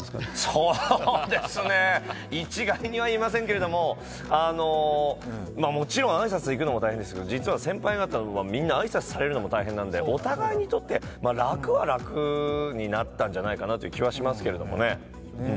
そうですね、一概には言えないですけれども、もちろん挨拶行くのも大変ですけれども先輩方はみんな挨拶されるのも大変なんでお互いにとって、楽は楽になったんじゃないかなという気はしますけれどもね。